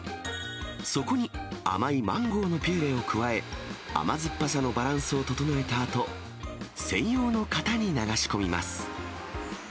そこに甘いマンゴーのピューレを加え、甘酸っぱさのバランスを整えたあと、専用の型に流し込みます。